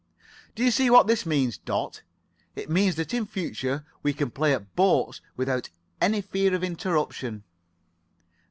"Do you see what this means, Dot? It means that in future we can play at boats without any fear of interruption."